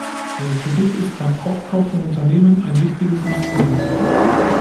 Der Kredit ist beim Aufkauf von Unternehmen ein wichtiges Instrument.